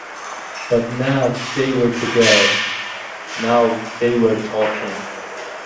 But now they were together; now they were talking.